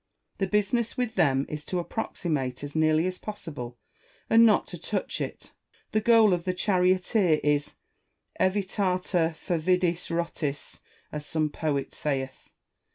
The business with them is to approximate as nearly as possible, and not to touch it : the goal of the charioteer is evitata fervidis rotis, as some poet saith.